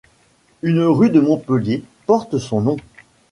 Une rue de Montpellier porte son nom.